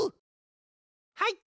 はい！